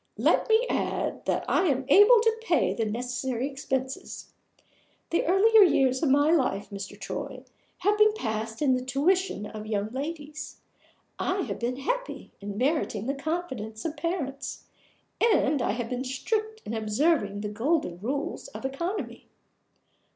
Let me add that I am able to pay the necessary expenses. The earlier years of my life, Mr. Troy, have been passed in the tuition of young ladies. I have been happy in meriting the confidence of parents; and I have been strict in observing the golden rules of economy.